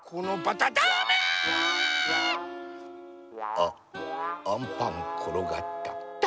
あっあんパンころがった。